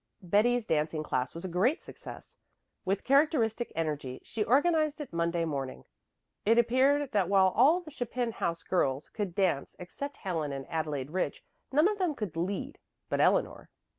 Betty's dancing class was a great success. With characteristic energy she organized it Monday morning. It appeared that while all the Chapin house girls could dance except Helen and Adelaide Rich, none of them could "lead" but Eleanor.